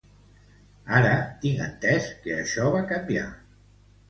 Ara, tinc entés que això va canviar.